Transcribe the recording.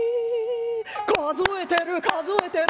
「数えてる数えてる。